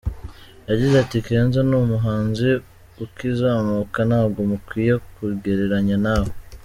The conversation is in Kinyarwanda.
Yagize ati “Kenzo ni umuhanzi ukizamuka, ntabwo mukwiye kungereranya na we”.